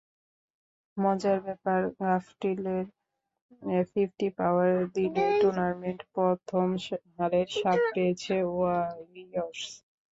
মজার ব্যাপার, গাপটিলের ফিফটি পাওয়ার দিনেই টুর্নামেন্টে প্রথম হারের স্বাদ পেয়েছে ওয়ারিয়র্স।